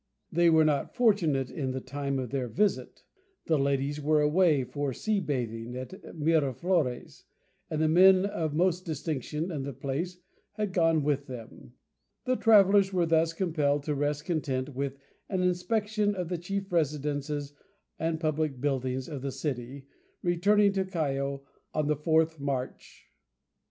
They were not fortunate in the time of their visit. The ladies were away for sea bathing at Miraflores, and the men of most distinction in the place had gone with them. The travellers were thus compelled to rest content with an inspection of the chief residences and public buildings of the city, returning to Callao on the 4th March.